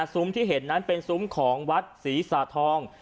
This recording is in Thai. ที่เห็นนั้นเป็นซุ้มของวัดศรีสาธอง